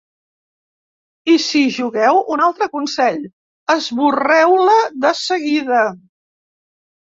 I si hi jugueu, un altre consell: esborreu-la de seguida.